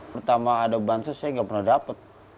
pertama ada bantuan sosial saya tidak pernah dapat